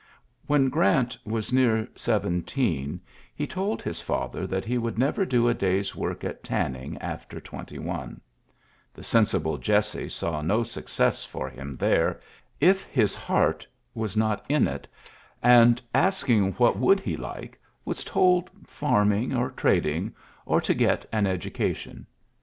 When Grant was near seventeen he told his father that he would never do a day's work at tanning after twenty one. The sensible Jesse saw no success for him there, if his heart was not in it, and, t^kCLLyj v;v3U 16 ULYSSES S. GEA2fT asking what would he like^ was hole fanning or trading or to get an ednca tion.